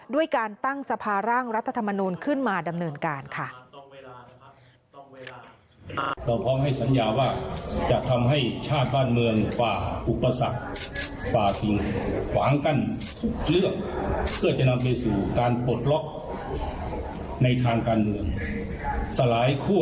ด้วยการตั้งสภาร่างรัฐธรรมนูลขึ้นมาดำเนินการค่ะ